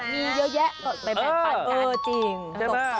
มีเยอะแยะต่อไปแบ่งความจริงเออเออจริง